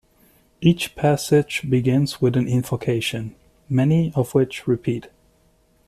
Each passage begins with an invocation, many of which repeat.